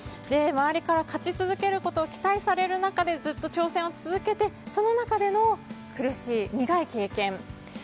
周りから勝ち続けることを期待される中でずっと挑戦を続けてその中での苦しい、苦い経験。